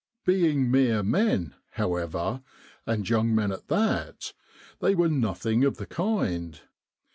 Being mere men, however, and young men at that, they were nothing of the kind.